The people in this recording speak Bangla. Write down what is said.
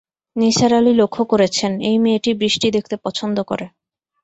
নিসার আলি লক্ষ করেছেন, এই মেয়েটি বৃষ্টি দেখতে পছন্দ করে।